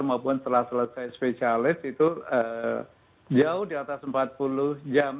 maupun setelah selesai spesialis itu jauh di atas empat puluh jam